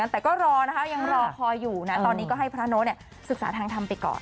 แต่ก็ใจรอคอยอยู่แล้วตอนนี้ก็ให้พระโน๊ตสึกษาทางทำไปก่อน